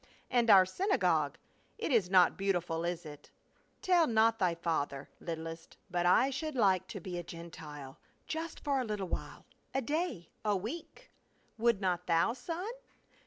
And our synagogue — it is not beautiful, is it ? Tell not thy father, littlest, but I should like to be a Gen tile, just for a little while — a day — a week. Would not thou, son